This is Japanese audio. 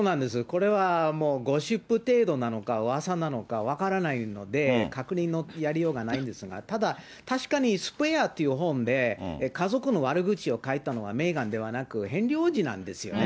これはもうゴシップ程度なのか、うわさなのか分からないので、確認のやりようがないんですが、ただ、確かにスペアっていう本で、家族の悪口を書いたのはメーガンではなく、ヘンリー王子なんですよね。